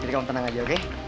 jadi kamu tenang aja oke